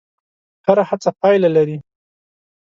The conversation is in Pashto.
هره هڅه پایله لري.